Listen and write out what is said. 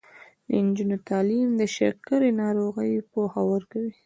د نجونو تعلیم د شکرې ناروغۍ پوهه ورکوي.